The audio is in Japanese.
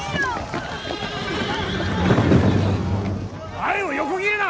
前を横切るな！